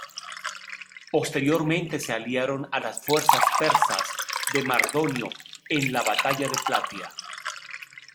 Posteriormente se aliaron a las fuerzas persas de Mardonio en la batalla de Platea.